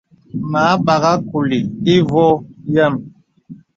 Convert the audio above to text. Mə a bagha kùlì ìvɔ̄ɔ̄ yəm.